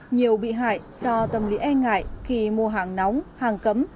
nhiều bị hại do tâm lý e ngại khi mua hàng nóng hàng cấm